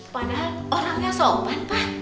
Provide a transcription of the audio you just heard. padahal orangnya sopan pak